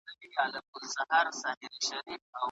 که د مذهب نفوذ نه وای نو ټولنيز وضعيت به بدل وای.